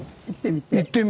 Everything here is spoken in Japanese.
行ってみて。